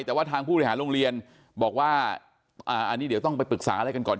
แต่ว่าทางผู้บริหารโรงเรียนบอกว่าอันนี้เดี๋ยวต้องไปปรึกษาอะไรกันก่อน